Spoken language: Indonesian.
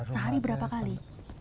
sehari berapa kali